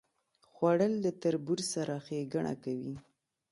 خوړل د تربور سره ښېګڼه کوي